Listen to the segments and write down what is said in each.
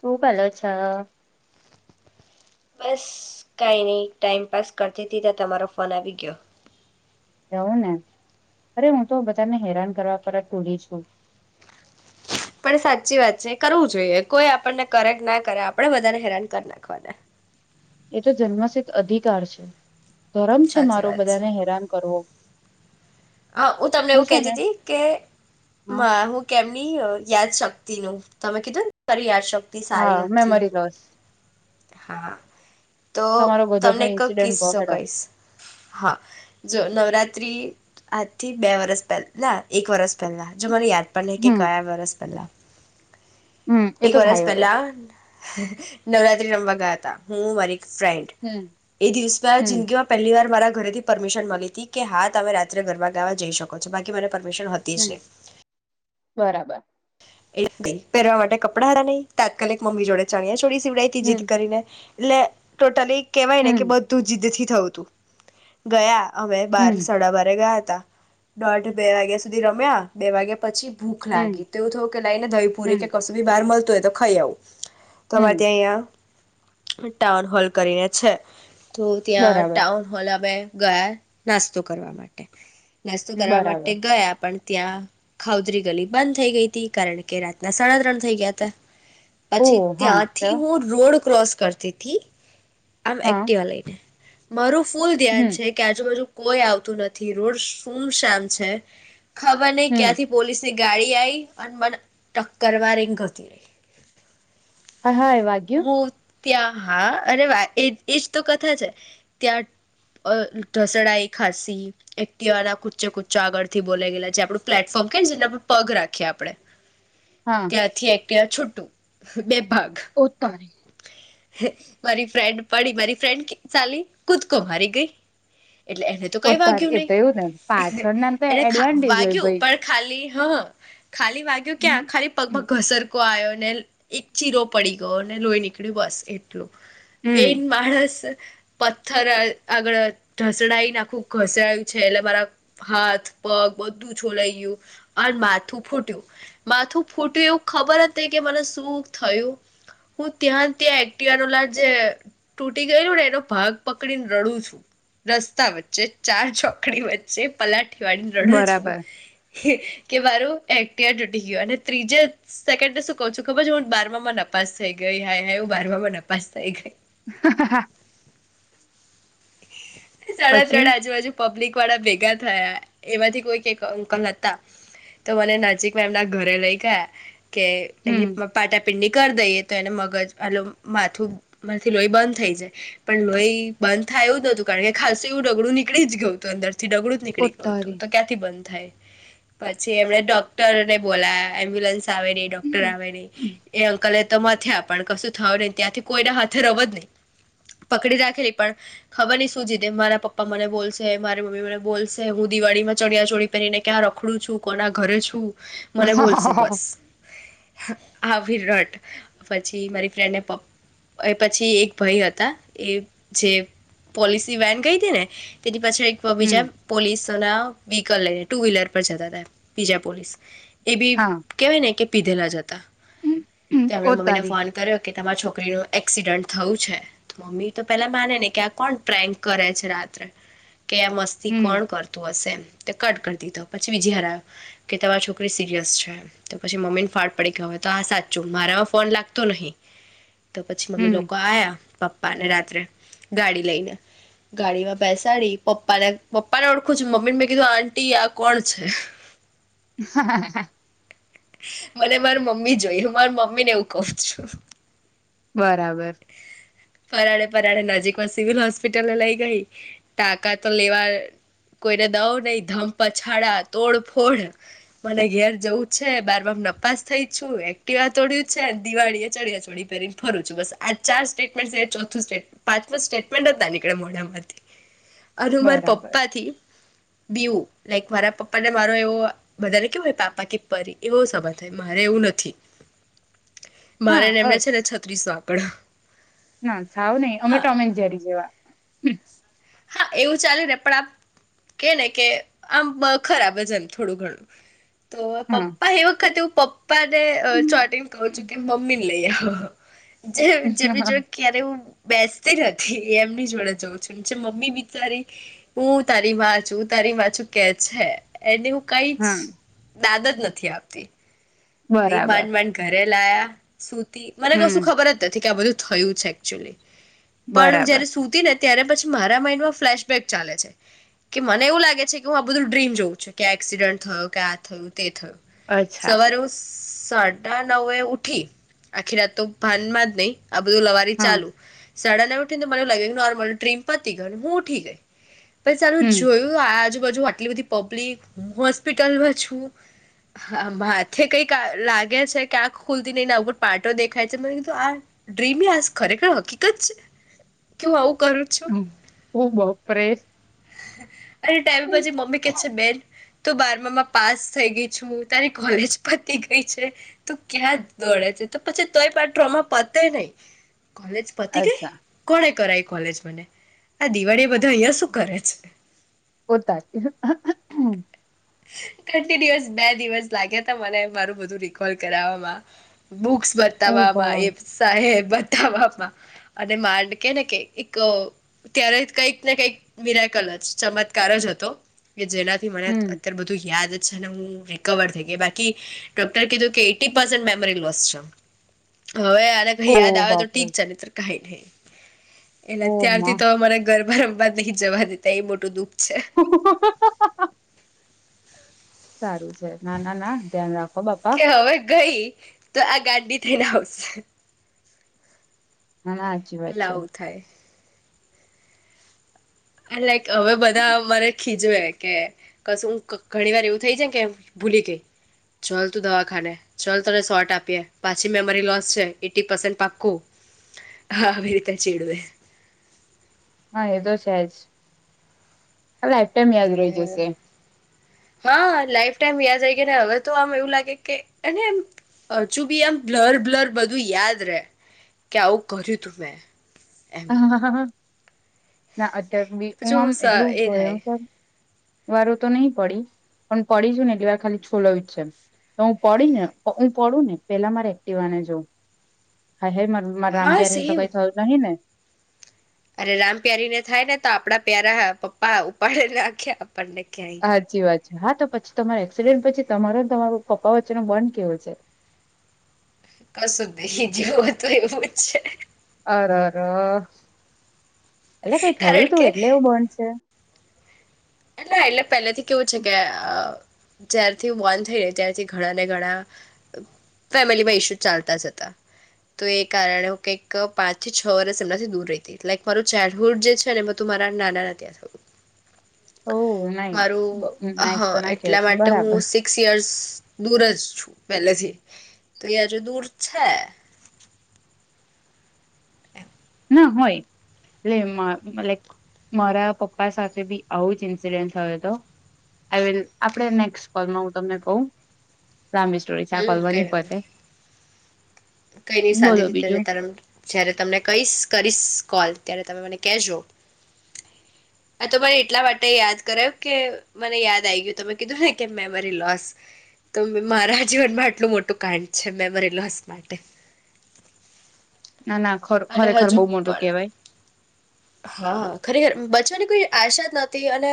હુ કરો છો? બસ કાઈ નહીં ટાઈમપાસ કરતીતી ત્યાં તમારો ફોન આવી ગયો. એવું ને અરે હું તો બધાને હેરાન કરવા પર જ ટૂડી છું. પણ સાચી વાત છે કરવું જોઈએ. કોઈ આપણને કરે કે ના કરે આપણે બધાને હેરાન કર નાખવાના. એ તો જન્મસિદ્ધ અધિકાર છે. ધરમ છે મારો બધાને હેરાન કરવો. અ હું તમને એવું છે ને કેતીતી કે હા મ હું કેમની યાદ શક્તિ નું તમે કીધું ને તારી યાદ શક હા મેમોરી લોસ. હા. તો તમારો ગજબ નો તમને કક ઇન્સિડન્ટ કહો કિસ્સો હેડો કહીશ, હા જો નવરાત્રિ થી બે વરસ પહેલા ના એક વરસ પેલા જો મને યાદ પણ નઈ કે હમ કયા વરસ પહેલા. હમ એ એક તો વરષ થાય હવે પેલા. નવરાત્રી રમવા ગયા હતા. હું મારી ફ્રેન્ડ હમ એ દિવસમાં હમ જિંદગી માં પહેલી વાર મારા ઘરેથી પરમિશન મળી હતી, કે હા તમે રાત્રે ગરબા ગાવા જઈ શકો છો. બાકી મને પરમિશન હતીજ હમ નહીં બરાબર. એટલે પહેરવા માટે કપડા હારા નહીં તાત્કાલિક મમ્મી જોડે ચણ્યા છોડી સી સીવડાયતી જીદ હમ કરીને. એટલે ટોટલી. કેહેવાય ને કે હમ બધું જીદથી થયું તું ગયા. હવે બાર હમ સાડા બારે ગયા તા. હતા દોઢ બે વાગ્યા સુધી રમ્યા. બે વાગે પછી ભૂખ હમ લાગી. તેવું થો કે લાઈને દહીપુરી કે હમ કશું બી બહાર મલતુ તો એતો ખાઈ આઉ. તમારે હમ ત્યાં અહ્યા. ટાઉન હોલ કરીને છે. તો ત્યાં બરાબર ટાઉન હોલે અમે ગયા નાસ્તો કરવા માટે. નાસ્તો કરવા માટે બરાબર ગયા પણ ત્યાં ખાઉધરી ગલી બંધ થઈ ગઈ હતી. કારણ કે રાતના સાડા ત્રણ થઈ ગયા હતા. ઓ પછી હા ત્યાંથી હું રોડ ક્રોસ કરતી થી. આમ હા એક્ટિવા લઈ ને. મારું ફૂલ ધ્યાન હમ છે કે આજુબાજુ કોઈ આવતું નથી રોડ સુમ શામ છે. ખબર ની હમ ક્યાંથી પોલીસસે ગાડી આયી અને મને ટક્કર મારી ને જતી રહી. હાઈ હાઈ વાગ્ય્યું. હું ત્યાં હા અરે એ એજ તો કથા છે ત્યાં ધઢસડાઈ ખાસી એકટીવાના કુચ્ચે કુચ્ચા આગળથી બોલા ગયલા જે આપણું પ્લેટફોર્મ કેને જેના પર પગ રાખીએ આપડે હા ત્યાંથી એક. ત્યા છુટું બે ભાગ. તારી મારી ફ્રેન્ડ પડી મારી ફ્રેન્ડ ચાલી કુદકો મારી ગઈ. એટલે એને તો કઈ અત્યારે વાગ્યું એ તો એવું ને નહીિ પાછળના તો એને એડવાન્ટેજ હોય વાગ્યું ભાઈ પણ ખાલી. હા. ખાલી વાગ્યો કે આ ખાલી પગમાં ઘસરકો આવ્યો. એક ચીરો પડી ગયો અનેને લોહી નીકળી. કડી બસ એ. હમ મેન માણસ. પથ્થર આગળ ધસડાઈનેખું ઘસડાયું છે એટલે મારા હાથ પગ બધું છોલાઈ ગયું અને માથું ફૂટ્યું માથું ફૂટ્યું એવું ખબર જ કે મને શું થયું હું. ત્યાં ત્યાં એક્ટવાલા જે તૂટી ગયેલું ને એનો ભાગ પકડીને રડું છું રસ્તા વચ્ચે ચાર ચોકડી વચ્ચે પલાટ. વાડીને રડો છું બરાબર કે મારોું. ડ્યૂટી ગયયો અને ત્રીજે સેકન્ડ શું કહું છું ખબર હું બાર માં નપાસ થઈ. ગઈ હાય હાય એવું બાર માં નપાસ થઈ ગઈ. હ. સાડા પછી ત્રણ આજુબજુ પબ્લિક. વાળ ભેગા થયા એમાંથી કોઈક અંકલ હતા તો મને નજીકમાં એમના ઘરે લઈ ગયા. કે એની હમ પાટ. પિંડી કરી દઈએ તો એને મગજ આલ માથું માંથી લોહી બંધ થઈ જાય પણ લોહી બંધ થાયું નતું. કાર કે ખાસ એવું રગડું નીકળ જ ગય તું અંદર. ડગડું જ નીકળી ગય હતું ઉતારી તો ક્યાંથી બન. થ પછી એમણે ડોક્ટરને બોલા એમ્બ્યુલન્સ. આવે નહી ડોક્ટર હમ આવે નહી એ અંકલે. તો થ્યા પણ કશું થય નહી ત્યાંથી કોઈને હાથે ર જ નહી પકડી રાખેલી પણ ખબર નહ. શું જીતે મારા પપ્પા મને બોલશે મારી મમ્મી મને બોલશે હું દિવાળીમાં ચડિયા ચોળી પહેરીને ક્યાં રખડું છું કોના ઘરે છું. મને બોલશે બસ. આ વિરટ પછી મારી ફ્રેન્ડને પ એ પછી એક ભાઈ હતા એ જે. પોલિસી વેન કઈ હતી ને. પાછી એક બીજ પોલીસ વ્હકલ લઈને ટુ વ્હીલર પર જતા હતા બીજા પોલીસ એ બી હા કેવાય ને કે પીધલા જ તેમણે મમ્મી ને ઉતારી ફોન કર્યો કે તમારા છોકરી ન એક્સિડન્ટ થયું છે મમ્મી તો પેલા માને ને કે આ કોણ પ્રેન્ક કરે છે રાત્રે કે એ મસ્તી હમ કોણ કરતું હશે એમ તે કટ કરી દીધો પછી બીજી હરા્યો કે તમારી છોકરી સિરિયસ છે તો પછી મમ્મી ને ફાળ પડી ગયો હોય તો આ સાચું મારામાં ફોન લાગતો નહીિ તો પછી મમ્મી હમ લોકો આવ્યા પપ્પા ને રાત્રે ગાડી લઈને ગાડીમાં બેસાડી પપ્પા ને પપ્પા ને ઓળખું છું મમ્મી ને મેં કીધું આંટી આ કોણ છે હા મને માર મમ્મી જોય હું માર મમ્મીને એવું કહઉ છું બરાબર પરાણે પરાણે નજીકમાં સિવિલ હોસ્પિટલ એ લઈ ગઈ ટાંકા તો લેવા કોઈને દવ ની ધમ્પપછાડા તોડ ફોડ મને ઘેર જવું છે બારમાં માં નપાસ થઈ છું એક્ટિવા તોડ્યું છે દિવાળી ચણિયાચોરી પહેરીને ફરું છું બસ આ ચાર સ્ટે ચોથુ સ્ટેટમેન્ટ પાંચમુ સ્ટેટમેન્ટ એજ ના નીકળે મોડામાંથી અને માર બરાબર પપ્પા થી બીવું લાઈક મારા પપ્પા ને મારો એવો બધાને કેવું હોય પાપા કે પરી એવો સમાજ થાય મારે એવું નથી હા મારેને એમને અસ છે ને છત્રીસ નો આ પકળ ના છાવ નહિ અમે ટોમેન જરી જેવા હા એવું ચાલે ને પણ આ કે ને કે આમ ખરાબ છે એમ થોડું ઘણું તો હા પપ્પા એ વખતે પપ્પા ને ચોંટી ને કહુ છું કે મમી ને લઈ આવો જે જેમી જો ક્યારે હું બેસતી નથી એ એમની જોડે જઉં છું મમ્મી બિચારી હું તારી માં છું તારી માં છું કે છે એને હું કંઈ જ હા ડાદત નથી આપતી ભઈ બરાબર માન માન ઘરે પ્લાયા શું તી મને કશું હમ ખબર જ નથી કે આ બધું થયું છે એકક્ચુઅલી. પણ બરાબર જયારે સુતી ને ત્યારે પછ મારા માઈન્ડમાં ફ્લેશબેક ચાલે છે કે મને એવું લાગે છે કે હું આ બધું ડ્રીમ જોઉં છું કે એક્સિડન્ટ થયો કે આ થયું તે થયું અચ્છા સવારે ઉસ સ-સાડા નવે ઉઠી આખી રાત તો ભાનમાં જ નહી આ બધું લવારી હા ચાલુ. સાડા નવે ઉઠીને મને લાગે નોર્મલ ટ્રીમ પતિ ગયો ને હું ઉઠી ગઈ. પછી સારું હમ જોયું આજ જુબાજુ આટલી બધી પબ્લિક હું હોસ્પિટલમાં છુ હ માથે કઈક આ લાગે છે કે આં ખુલતી નને આવવું પાર્ટો દેખાય છે મને કીધું આ ડ્રીમી આ ખરેખર હકીકત છે કે હું આવું કરું છું હમ્મ. ઓ બાપ રે અરે ટાઈમ પછી મમ્મી કે છે બેન તો બારમામાં પાસ થઈ ગઈ છું તારી કોલેજ પતી ગઈ છે તો ક્યાં દોડે છે તો પછી તોય પણ ડ્રોમાં પતે નઈ. કોલેજ પતિ ગઈ અચ્છા કોણે કરાય કોલેજ મને આ દિવાળી એ બધા અહિયાં શું કરે છે. ઓતારી અહ અહ કંટીન્યુઅસ બે દિવસ લાગ્યા હતા મને મારું બધું રિકોલ કરાવામાં બુક્સ ઓ બતાવામાં એ ભાઈ સાહેબ બતાવામાં અને માંડ કે ને કે એક ત્યારે કઈક ને કઈક મીરાકલ જ ચમત્કાર જ હતો કે જેનાથી મને હમ અત્યારે બધું યાદ છે ને હુ રિકવર થઈ ગઈ બાકી ડોકટરે કીધું કે એઈટી પેર્સન્ટ મેમરી લોસ છે હવે આને કહી ઓ યાદ આવે તો બાપરે થીક છે નઈતર કાંઈ નઈ હ એટલે ઓ ત્યારથી માં તો મારે ઘરમાં વારંવાર નહી જવા દેતા એ મોટું દુઃખ છે. [inaudible] સારું છે ના ના ના ધ્યાન રાખો બાપા કે હવે ગઈ તો આ ગાંડી થઈને આવશે ના ના હાચી વાત એટલે છે. આવું થાય આ લાઈક હવે બધા મને ખીજવે કે કશું ઘણી વાર એવું થઈ જાય કે ભૂલી ગઈ, ચાલ તું દવાખાને, ચાલ તને શોટ આપીએ, પાછી મેમરી લોસ છે, એઈટી પર્સેન્ટ પાકું આવી રીતે ચીડવે હા, એતો છેજ એટલે હ, હા, લાઈફ ટાઈમ યાદ રહી કે એને હવે તો આમ એવું લાગે કે, એને એમ હજુ બી આમ બ્લર બ્લર બધું યાદ રે કે આવું કર્યું તું મેં એમ ના અત ર બી હું પછી આમ સ એટલું એ થાય ભયંકર વારો તો નહી પડી, પણ પડીશું ને એટલી વાર ખાલી છોલાયુજ છે, તો હું પડી ને હું પડું ને પેલા મારે એક્ટવાને જોઉં, હાય હાય મારી હા રામપ્યારીને તો સેમ કઈ થયું નહી ને અરે રામ પ્યારીને થાય ને તો આપડા પ્યારા પપ્પા ઉપાડેને નાખ્યા. આપણે ક્યાંય હાચી વાત હા, તો પછી તમારે એક્સિડેન્ટ પછી તમારો ને તમારો પપ્પા વચ્ચેનો બોન્ડ કેવો છે? કશુંજ નઈ, જેવું હતું એવુંજ છે. અર ર એટલે કઈ થયું કારણ તું કે એટલે એવું બૉન્ડ છે. એટલા એટલે પહેલેથી કેવું છે કે, અહ જ્યારથી બોન થઈહી ત્યારથી ઘણા ને ઘણા ફેમિલીમાં ઈસ્યુ ચાલતાજ હતા, તો એ કારણે હું કંઈક પાંચ થી છ વર્ષ એમનાથી દૂર રઈતી, લાઈક મારું ચાઇલ્ડહુડ જે છે ને તું મારા નાના ના ત્યાં થયું. ઓ નહી. મારું, હા નાઈસ તો ના એટલા કેવાય માટે બરાબર હું સિક્સ યર્સ દૂરજ છું. પેલેથી, તો એ આજે દૂર છે. ના હોય એટલે લાઈક મારા પપ્પા સાથે બી આવું જ ઇન્સિડેન્ટયો હતો, આઈ વિલ આપડે નેક્સ્ટ કોલમાં હું તમને કવ. લાંબી સ્ટોરી છે, આ હમ કોલમાં કઈ ની વાંધો પતે. કઈ નઈ બોલો શાંતિથી બીજું રીતે, જયારે તમને કઇસ કરીશ કોલ ત્યારે તમે મને કેજો, આ તો મને એટલા માટે યાદ કરાયું કે મને યાદ આવી ગયું તમે કીધું ને કે મેમરી લોસ, તો મારા જીવનમાં આટલું મોટું કાંડ છે, મેમરી લોસ. માટે ના ના અને ખરેખર હજુ બહુ મોટું પણ, કેવાય હા ખરેખર બ છની કોઈ આશાજ નથી અને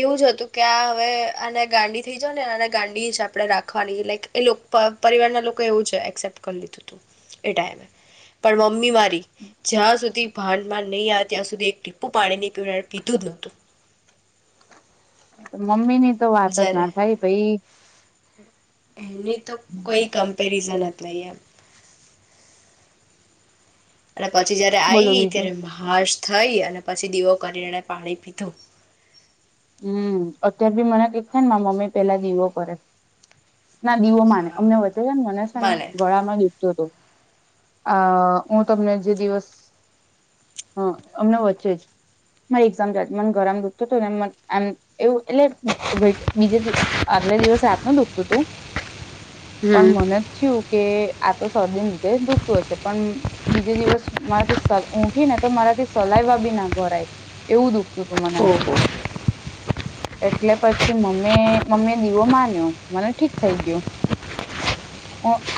એવું જ હતું કે આ હવે આને ગાંડી થઈ જાવ ને ગાંડી જ આપે રાખવાની, લાઈક એ લોક પરિવાર ના લોકો એવું છે, એક્સેપ્ટ કરી લીધુંતું એ ટાઈમે, પણ મમ્મી મારી જ્યાં સુધી ભાંડમાં નઈ આવી. ત્યાં સુધી એક ટીપુ પાણીની પીના, પીધું નતું. તો મમ્મીની તો વાતજ ના થાય, ભાઈ હમ્મ. એની તો કોઈ કમ્પેરિઝન નઈ એમ. ર પછી જયારે બોલો આઈ બીજું ત્યારે હાશ થઈ અને પછી દીવો કરીને પાણી પીધું. હમ અત્યાર બી મને કઈક થાય ને મા મમ્મી પેલા દીવો કરે. ના દીવો માને અમને વચે છે ને મને છે ને ગળામાં દુઃખતું હતું. અ હું તમને જે દિવસ, હ અમને વચ્ચે જ એમ મને ઘરમાં દુખતો આમ એવું એટલે વેટ બીજે દિવસ આગલા દિવસે રાત ન દુખતું, પણ હમ મને જ થયું કે આ તો શરદી લીધે દુઃખતું હશે પણ બીજે દિવસ મારાથી ઊઠી ને તો મારાથી સલાઇવા બી ના ઘડાય એવું દુખ. તો તુ મને ઓહો એટલે પછી મમ્મી મમ્મી એ દીવો માન્યો મને ઠીક થઈ ગયું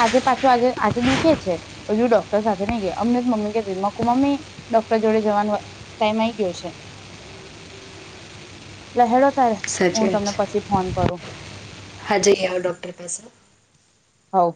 આજે પાછું આજે આજે દુખે છે હજુ ડોક્ટર સાથે નહી ગયા અમને મમ્મી કરતી મમ્મી ડોક્ટર જોડે જવાનો ટાઈમ આવીઈ ગયો છે. લે હેડો તારે સાચી હું વાત તમને પછી ફોન કરું હા જઇ આવ ડોક્ટર પાસે હવ